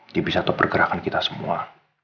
dia bisa top bergerakan kita semua